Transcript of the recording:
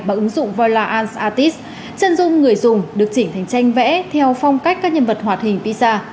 bằng ứng dụng voila arts artist chân dung người dùng được chỉnh thành tranh vẽ theo phong cách các nhân vật hoạt hình pizza